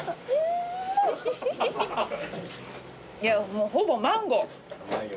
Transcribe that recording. もうほぼマンゴー。